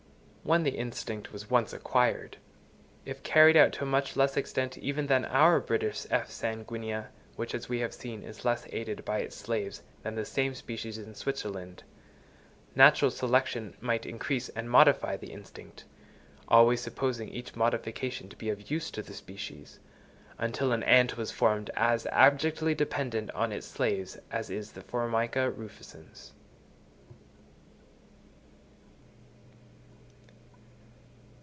When the instinct was once acquired, if carried out to a much less extent even than in our British F. sanguinea, which, as we have seen, is less aided by its slaves than the same species in Switzerland, natural selection might increase and modify the instinct—always supposing each modification to be of use to the species—until an ant was formed as abjectly dependent on its slaves as is the Formica rufescens.